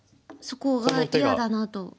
そこが嫌だなと。